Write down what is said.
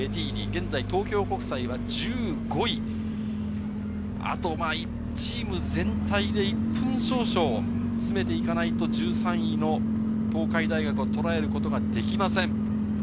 現在、東京国際は１５位、あと１チーム、全体で１分少々、詰めていかないと、１３位の東海大学を捉えることができません。